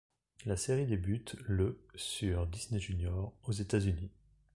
La série débute le sur Disney Junior aux États-Unis.